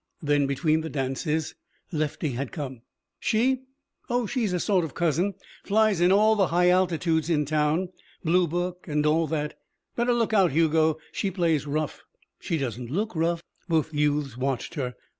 Then, between the dances, Lefty had come. "She? Oh, she's a sort of cousin. Flies in all the high altitudes in town. Blue Book and all that. Better look out, Hugo. She plays rough." "She doesn't look rough." Both youths watched her.